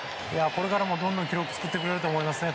これからもどんどん記録作ってくれると思いますね。